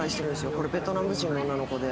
これベトナム人の女の子で。